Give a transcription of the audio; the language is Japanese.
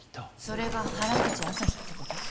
それが原口朝陽ってこと？